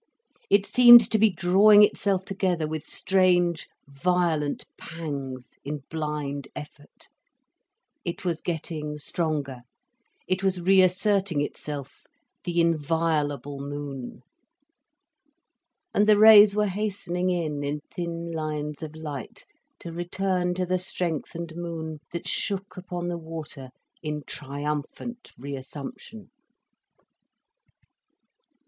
It seemed to be drawing itself together with strange, violent pangs, in blind effort. It was getting stronger, it was re asserting itself, the inviolable moon. And the rays were hastening in in thin lines of light, to return to the strengthened moon, that shook upon the water in triumphant reassumption.